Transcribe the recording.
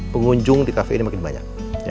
pengunjung di kafe ini makin banyak